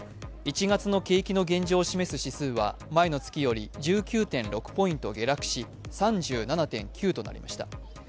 １月の景気の現状を示す指数は前の月より１９．６ポイント下落し３７．９となりました。